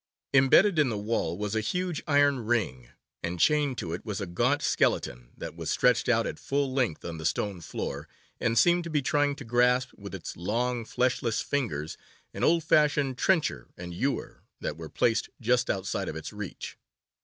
Imbedded in the wall was a huge iron ring, and chained to it was a gaunt skeleton, that was stretched out at full length on the stone floor, and seemed to be trying to grasp with its long fleshless fingers an old fashioned trencher and ewer, that were placed just out of its reach.